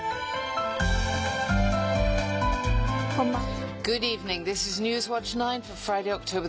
こんばんは。